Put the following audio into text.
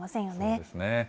そうですね。